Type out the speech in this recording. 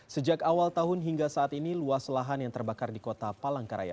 sejak awal tahun hingga saat ini luas lahan yang terbakar di kota palangkaraya